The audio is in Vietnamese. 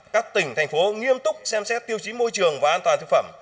các tỉnh thành phố nghiêm túc xem xét tiêu chí môi trường và an toàn thực phẩm